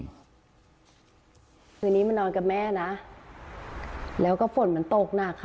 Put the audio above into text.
คืนนี้มานอนกับแม่นะแล้วก็ฝนมันตกหนักค่ะ